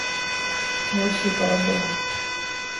ہوش سے کا لو